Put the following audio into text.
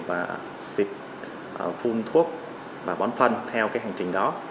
và xịt phun thuốc và bón phân theo cái hành trình đó